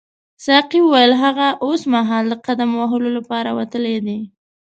ساقي وویل هغه اوسمهال د قدم وهلو لپاره وتلی دی.